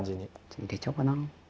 全部入れちゃおうかな。